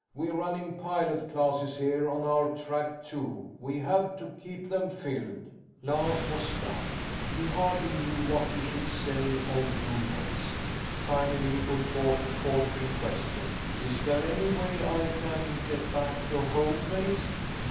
We're running pilot classes here on our track, too. We have to keep them filled." Lance was stunned. He hardly knew what he should say or do next. Finally, he put forth a faltering question: "Is there any way I can get back to Home Base?